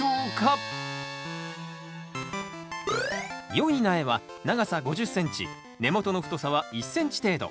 よい苗は長さ５０ｃｍ根元の太さは１ｃｍ程度。